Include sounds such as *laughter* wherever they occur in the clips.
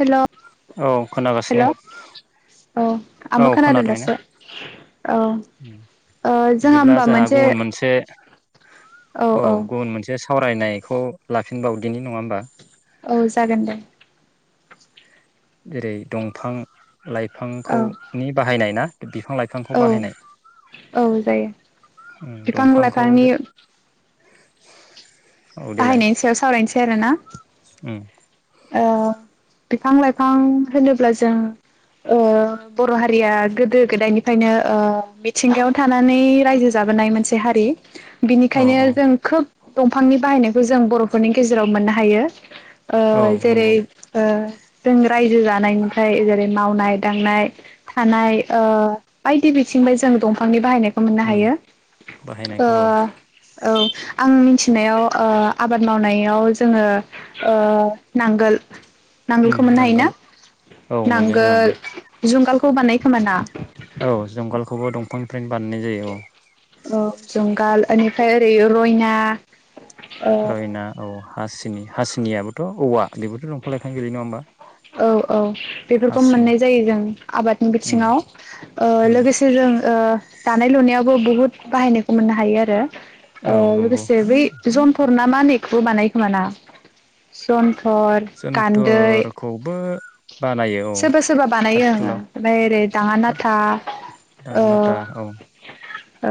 हेल' औ हेल' खोनागासिनो औ औ आंबो खोनादों खोनादोंना दासो औ उम बिदिब्ला जोंहा गुबुन मोनसे औ गुबुन मोनसे सावरायनायखौ ला फिनबावदिनि नङा होमबा औ जागोन दे जेरै दंफां औ लाइफांखौनि बाहायनाय ना बिफां लाइफांखौ औ बाहायनाय औ जायो उम बिफां दंफांखौ लाइफांनि औ देलाय बाहायनायनि सायाव सावरायनोसै आरोना ओ बिफां लाइफां होनोब्ला जों ओ बर' हारिया गोदो गोदायनिफ्रायनो ओ मिथिंगायाव थानानै रायजो जाबोनाय मोनसे हारि औ बिनिखायनो औ जों खोब दंफांनि बाहायनायखौ जों बर'फोरनि गेजेराव मोननो हायो औ जेरै नंगौ ओ जों रायजो जानायनिफ्राय जेरै मावनाय दांनाय थानाय ओ बायदि बिथिंफाय जों दंफांनि बाहायनायख औ मोन हायो ओ बाहायनायखौ औ औ आं मिनथि नायाव ओ आबाद मावनायाव जोङो ओ नांगोल नांगोलखौ मोननो हायोना नांगोल औ मोनो नांगोल जुंगालखौ बानाय खोमाना फ्रायनो बानायनाय जायो औ औ जुंगाल ओनिफ्राय ओरै रयना ओ रयना औ हासिनि हासिनियाबोथ' औवा *unintelligible* औ औ बेफोरखौ हासिनि मोननाय जायो जों आबादनि बिथिङाव ओ लोगोसे जों ओ दानाय लुनायावबो बुहुत बाहायनायखौ मोननो हायो आरो ओ औ नंगौ लोगोसे बै जनफोर ना मानि *unintelligible* बानायखोमाना सन हर गान्दै जोनथोरखौबो बानायो औ सोरबा सोरबा बानायो आङो आथिखालाव ओमफ्राय ओरै दाङा नाथा ओ दांनाथा औ औ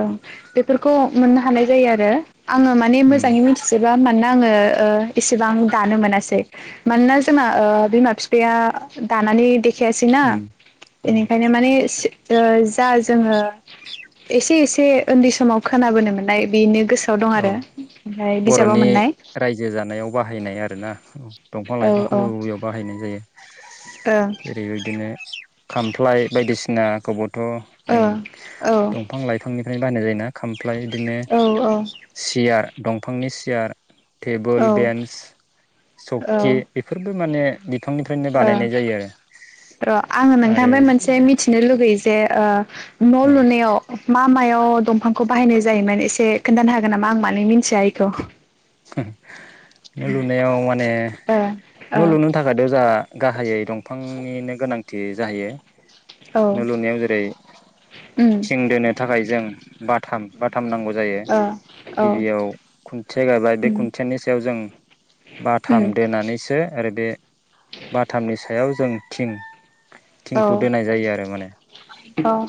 बेफोरखौ मोननो हानाय जायो आरो आङो माने उम मोजाङै मिथिजोबा माने आङो ओ इसेबां दानो मोनासै मानोना जोंना ओ बिमा बिफाया दानानै दे खायासैना उम उम बेनिखायनो माने *unintelligible* दा जोङो एसे एसे उन्दै समाव खोनाबोनो मोननाय बेनो गोसोआव दं औ आरो ओमफ्राय बिजाबाव बर'नि मोननाय रायजो जानायाव बाहायनाय आरो ना दंफां औ लाइफांखौबो औ बबेयाव बाहायनाय जायो ओरैबायदिनो खामफ्लाय बायदिसिना खबद थ' जों ओं ओं औ दंफां लाइफांनिफ्रायनो बानाय जाय ना खामफ्लाय बिदिनो औ सियार दंफांनि सियार औ टेबोल बेन्स सकि औ बेफोरबो माने बिफांनिफ्रायनो ओं बानायनाय जायो आरो र' आङो आरो नोंथांनिफ्राय मोनसे मिथिनो लुगैयो जे आ न औ लुनायाव मा मायाव दंफांखौ बाहायनाय जायोमोन एसे खोन्थानो हागोन नामा आं माने मिन्थिया एखौ *unintelligible* न' लुनायाव माने न' लुनो थाखायथ' जोंहा गाहायै दंफांनिनो गोनां थि जाहैयो औ न' लुनायाव जेरै उम थिं दोनो थाखाय जों बाटाम थाम नांगौ जायो ओ औ उम गिबियाव खुन्थिया गायबाय बे खुन्थियानि सायाव जों उम बाथाम दोनानैसो आरो बे बाथामनिसो सायाव जों थिं थिंखौ दोननाय जायो आरो माने औ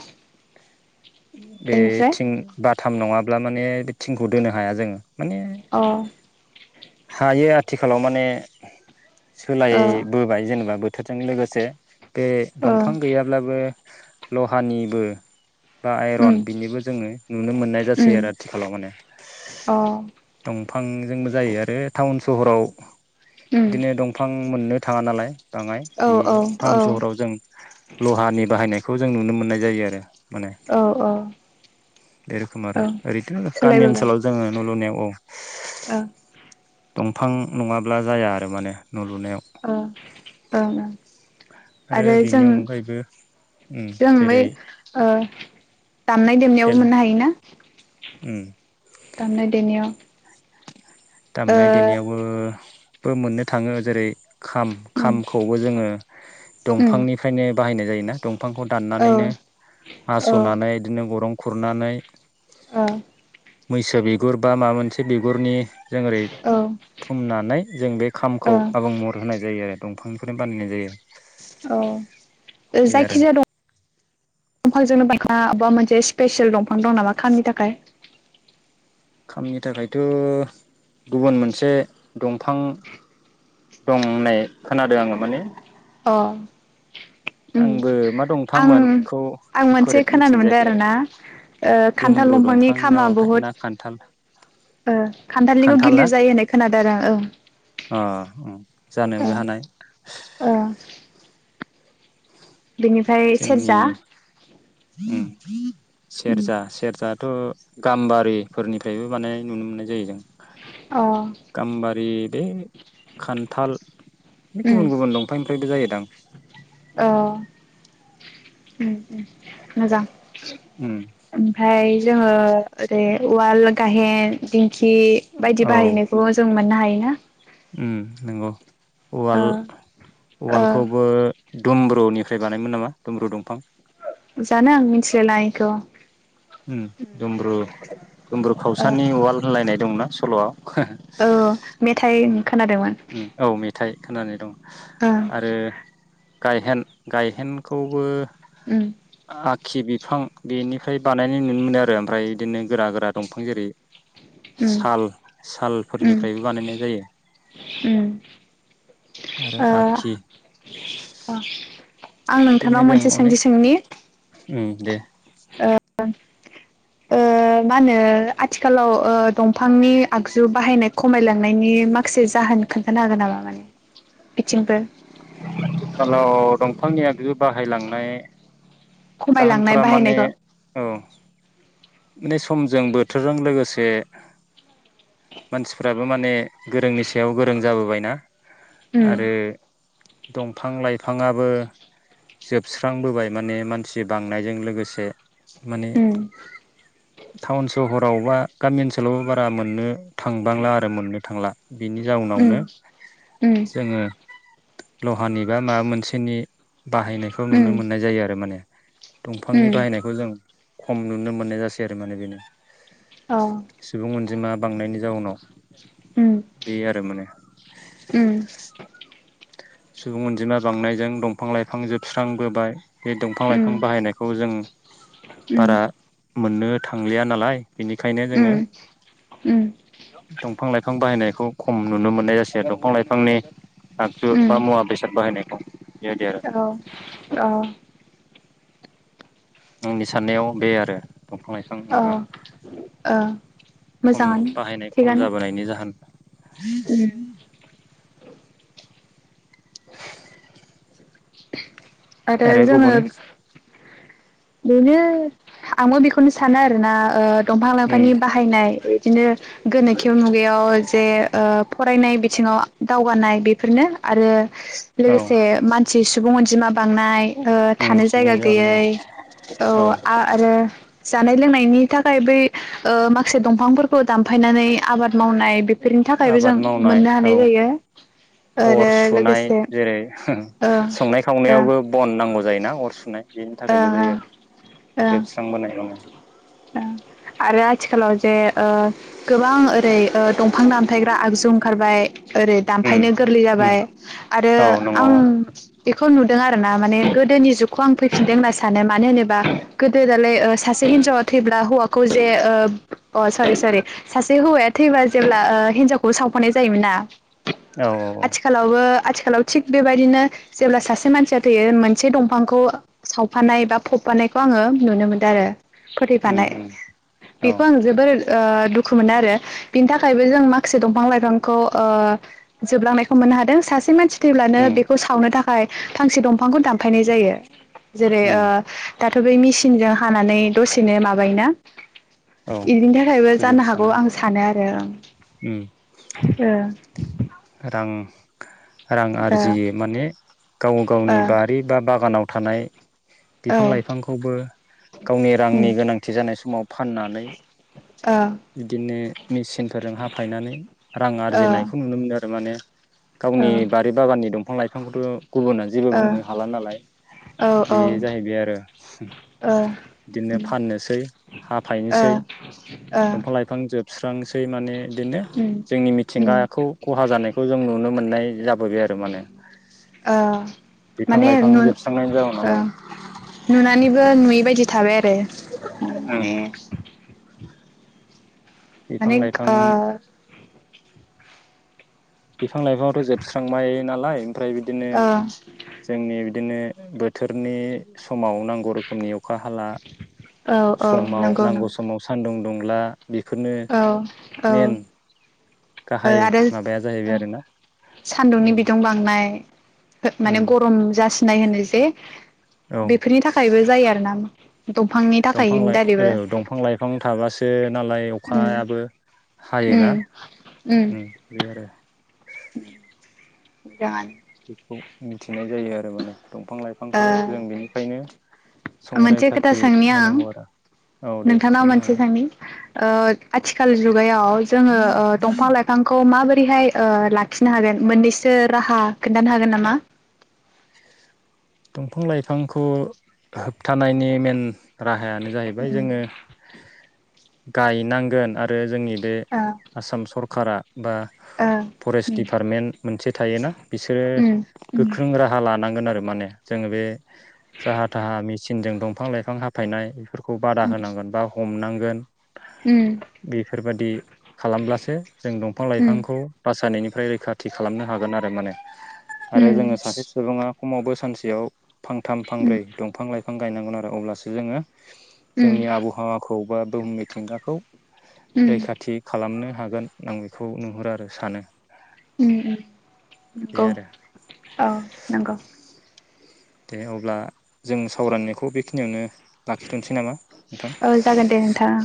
बे बेनिफ्राय थिं बा थाम नङाब्ला माने बे थिंखौ दोनो हाया जों माने औ हायो आथिखालाव माने ओ सोलायबोबाय जेनेबा थोरजों लोगोसे बे दंफां ओ गैयाब्लाबो लहानिबो बा आइरन उम बिनिबो जोङो नुनो मोननाय जासै उम आरो आथिखालाव माने अ उम बिफांजोंबो जायो आरो टाउन सहराव उम बिदिनो दंफां मोननो थाङा नालाय बाङाय औ बे औ टाउन औ सहराव जों लहानि बाहायनायखौ बेखौ जों नुनो मोननाय जायो आरो माने औ बे रोखोम आरो औ ओरैथ' गामि सोलायबोबाय ओनसोलाव जोङो न' लुनायाव औ ओ दंफां नङाब्ला जाया आरो माने न' लुनायाव अ ओं ओं आरो बेनि जों अनगायैबो उम जों बै जेरै ओ दान मोननो हायोना उम दामनाय देनायाव दामनाय ओ देनायावबो बो मोननो थाङो जेरै खाम उम खामखौबो जोङो उम दंफांनिफ्रायनो बाहायनाय जायोना दं बिफांखौ औ दान्नानैनो हास'नानै बिदिनो गरं खुरनानै ओ मैसो बिगुर बा माबा मोनसे बिगुरनि जों ओरै औ थुमनानै जों बे खामखौ ओ आबुं महर होनाय जायो आरो दंफांनिफ्रायनो बानायनाय जायो औ बे आरो जायखिजाया दं दंफांजोंनो बा बबेबा मोनसे *unintelligible* स्पेसियेल दंफां दं नामा खामनि थाखाय खामनि थाखायथ' गुबुन मोनसे दंफां दं होननाय खोनादों आङो माने अ ओम आंबो मा दंफांमोन आं बेखौ आं मोनसे एकुरेट खोनानो मिथिनाय मोनदों जायाखै आरो ना ओ खान्थाल दुमब्रु दंफांनि दंफां ना खामा माबाथाय बहुद ना खान्थाल ओ खान्थालनिखौ खान्थाल ना गिलिर जायो होननाय खोनादों आरो आं औ जानोबो हानाय बेनिफ्राय सेरजा जोंनि *inaudible* सेरजा सेरजाथ' गाम्बारिफोरनिफ्रायबो बानायनाय नुनो मोननाय जायो जों अ गाम्बारि बे खान्थाल बे उम गुबुन गुबुन दंफांनिफ्रायबो जायोदां अ ओम ओम मोजां उम ओमफ्राय जोङो ओरै उवाल गाहेन बायदि बाहायनायखौ जों मोननो हायो *unintelligible* ओम नंगौ ओ उवाल ओ उवालखौबो दुमब्रुनिफ्राय बानायोमोन नामा दुमब्रु दंफां जानो आं मिथिलाय लाङा एखौ ओम दुमब्रु दुमब्रु ओ खावसानि उवाल होनलायनाय दंना सल'आव औ मेथाइ दुमब्रु खोनादोंमोन उम औ मेथाइ खोनानाय दं ओ आरो गायहेन गायहेनखौबो उम आखि बिफां बेनि बानायनाय नुनो मोनो आरो ओमफ्राय बिदिनो गोरा गोरा दंफां जेरै उम साल उम सालफोरनिफ्रायबो बानायनाय जायो उम आरो ओ आखि आं नोंथांनाव मोनसे सोंथि सोंनि ओम दे ओ ओ मा होनो आथिखालाव ओ दंफांनि आगजु बाहायनाय खमायलांनायनि माखासे जाहोन खोन्थानो हागोन नामा माने बिथिंफोर आथिखालाव दंफांनिया बिबो बाहायलांनाय खमायलांनाय जाहोनफोरा माने बाहायनायखौ औ मे समजों बोथोरजों लोगोसे बे मानसिफ्राबो माने गोरोंनिसि सायाव गोरों जाबोबायना उम आरो दंफां लाइफाङाबो जोबस्रांबोबाय माने मानसि बांनायजों लोगोसे माने उम टाउन सहरावबा गामि ओनसोलावबो बारा मोननो थांबांला आरो मोननो थांला बिनि उम जाउनावनो उम जोङो लहानि बा माबा मोनसेनि बाहायनायखौ नुनो उम मोननाय जायो आरो माने औ दंफांनि बाहायनायखौ जों खम नुनो मोननाय जासै आरो माने बेनो औ जिमा बांनायनि जाउनाव औ बे आरो माने सुबुं अनजिमा बांनायजों दंफां-लाइफां जोबस्रांबोबाय बे दंफां-लाइफां बाहायनायखौ जों बारा मोननो थांलिया नालाय बिनिखायनो जोङो दंफां-लाइफां बिफां बाहायनायखौ खम नुनो मोननाय जासै दंफां-लाइफांनि बा मुवा बेसाद बाहायनाय औ औ औ आंनि साननायाव बे आरो दंफां लाइफां माबा औ खम मोजाङानो बाहायनाय खम थिगानो जाबोनायनि जाहोन उम *inaudible* *inaudible* आरो जोङो बेनो आंबो बेखौनो सानो आरोना ओ दंफां उम लाइफांनि बाहायनाय इदिनो गोनोखो मुगायाव जे ओ फरायनाय बिथिङाव दावगानाय बेफोरनो आरो औ लोगोसे मान सि सुबुं अनजिमा बांनाय ओ उम थानो सुबुं जायगा जालांनो गैयै औ आरो जानाय लोंनायनि थाखाय बै ओ माखासे दंफांफोरखौ दानफायनानै आबाद मावनाय बेफोरनि थाखायबो जों आबाद मावनाय मोननो औ हानाय जायो आओरो अर सुनाय लोगोसे ओ नायावबो बन नांगौ जायोना अर सुनाय बेनि ओ थाखायबो ओ जायो ओ जोबस्रांबोनाय आरो आथिखालाव जे ओ गोबां ओरै ओ दंफां दामथायग्रा आगजु ओंखारबाय ओरै उम दानफायनो गोरलै उम जाबाय आरो औ नंगौ आं खौ नुदों आरोना माने गोदोनि जुगखौ आं फैफिनदों होनना सानो मानो होनोबा गोदो दालाय सासे हिनजावा थैब्ला हौवाखौ जे अ सरि सरि सासे हौवाया थैब्ला ओ जेब्ला हिनजावखौबो सावफानाय जायोमोन ना औ औ औ आथिखालावबो आथिखालाव थिग बेबायदिनो जेब्ला सासे मानसिया थैयो मोन से दंफांखौ सावफानाय बा फबफानायखौ आङो नुनो मोनदो आरो उम फोथैफानाय उम औ बेखौ आं जोबोर ओ दुखु मोनो आरो बिनि थाखायबो जों माखासे दंफां लाइफांखौ ओ जोबलांनायखौ मोननो हादों सासे मानसि थैब्लानो उम बेखौ सावनो था फाय फांसे दफांखौ दान फायनाय जायो जेरै ओ उम दाथ' बै मेसिनजों हानानै दसेनो माबायो ना औ इनि थाखायबो जानो हागौ फोजोबस्राङो आं सानो आ उम *unintelligible* ओ रां रां आरजियो माने गाव गावनि बारि बा बागानाव थानाय ओ बिफां लाइफांखौबो गावनि रांनि गोनांथि जानाय समाव फाननानै ओ औ उम बिदिनो मेसिनफोरजों हाफायनानै रां ओ ओ आरजिनायखौ नुनो मोनो आरो थारमाने गावनि बारि बागाननि दं बिफां लाइफांखौथ' गुबुना जेबो ओ औ बुंनो हाला नालाय औ ओ बे ओ जाहैबाय आरो बिदिनो फाननोसै हाफायनोसै ओ दंफां लाइफां जोबस्रांसै माने बिदिनो उम जोंनि उम मिथिंगाखौ जानायखौ जों नु मोननाय जाबोबाय आरो माने ओ बिफां माने लाइफां ओ जोबस्रांनायनि जाउनाव नुनानैबो नुयै बायदि थाबाय आरो माने बिफां माने लाइफां आ बिफां लाइफांथ' जोबस्रांबाय नालाय ओमफ्राय बिदिनो ओ जोंनि बिदिनो बोथोरनि समाव नांगौ रोखोमनि अखा हाला औ औ नंगौ नोंथां टंला औ औ गाहाय आरो माबाया जाहैबाय आरोना सान्दुंनि ओ उम बिदुं बांनाय माने उम गरम जासिनाय होनो जे औ बेफोरनि थाखायबो जायो आरो ना दंफांनि थाखाय दंफां लाइ दारैबो औ दंफां लाइफां थाबासो नालाय उम अखायाबो उम हायोना उम *unintelligible* *inaudible* मोजाङानो बेखौ मिथिनाय जायो आरो माने दंफां ओ लाइफांखौ जों बेनिखायनो मोनसे खोथा संरैखाथि सोंनि आं होनांगौ आरो औ दे नोंथांनाव सोंनो मोनसे हागोन साननि ओ आथिखाल जुगायाव जोङो ओ दंफां लाइफांखौ माबायदि रैहाय ओ लाखिनो हागोन मोननैसो राहा खोन्थानो हागोन नामा दंफां लाइफांखौ होबथानायनि मेन राहायानो जाहैबाय ओ जोङो गायनांगोन आरो जोंनि बे आसाम सर खारा बा ओ फरेस्ट उम दिडिपार्टमेन्ट मोनसे थायोना बिसोरो उम गोख्रों उम राहा लानांगोन आरो फोर माने जोङो बे जाहा थाहा मेचनजों दंफां लाइफां हाफायनाय खौ बादा होनांगोन बा हमनांगोन । गोन उम बेफोरबायादि खालामब्लासो जों उम दंफां-लाइफांखौ बासानायनि ओमफ्राय रैखाथि खालामनो हागोन आरो माने आरो जोङो सासे सुबुङा खमावबो सानसे बेयाव फांथाम फांब्रै दंफां-लाइफां बिफां गायनांगोन आरो अब्लासो जोङो उम जोंनि आबहावाखौ खौ बा बुहुम मिथिंगाखौ रैखाथि खालामनो हा हागोन आं बेखौ नुहुरो आरो सानो । नंगौ आरो औ नंगौ दे अब्ला जों सावरायनायखौ बेखिनियावनो लाखिथ'सै नामा नोंथां? औ जागोन दे नोंथां